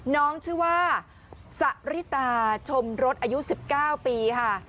น้องชื่อว่าสริตาชมรถอายุ๑๙ปีค่ะ